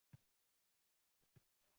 Yurash bu yerga Marusha bilan birga keldi.